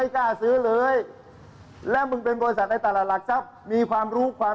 กูขอขายในราคาใหม่